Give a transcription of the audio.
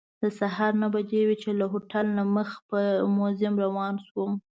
د سهار نهه بجې وې چې له هوټل نه مخ په موزیم روان شوم.